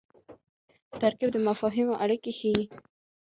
ترکیب د مفاهیمو اړیکه ښيي.